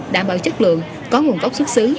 đảm bảo chất lượng có nguồn gốc xuất xứ